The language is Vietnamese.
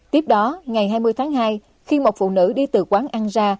tiếp đó ngày hai mươi tháng hai khi một phụ nữ đi từ quán ăn ra